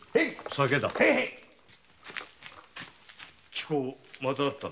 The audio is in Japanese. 貴公また会ったな。